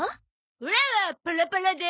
オラはパラパラで！